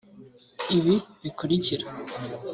ibi bikurikira